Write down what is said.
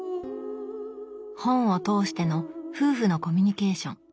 本を通しての夫婦のコミュニケーション